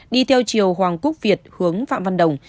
đi theo chiều hoàng quốc việt hướng phạm văn đồng